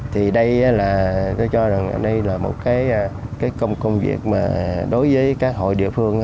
thì đây là tôi cho rằng đây là một cái công việc mà đối với các hội địa phương